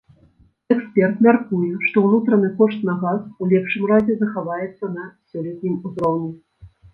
Эксперт мяркуе, што ўнутраны кошт на газ, у лепшым разе, захаваецца на сёлетнім узроўні.